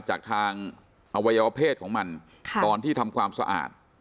จากทางอวัยวะเพศของมันตอนที่ทำความสะอาด